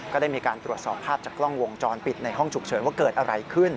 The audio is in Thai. ก็ได้มีการตรวจสอบภาพจากกล้องวงจรปิดในห้องฉุกเฉินว่าเกิดอะไรขึ้น